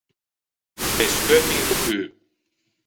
Bescheutti into cû.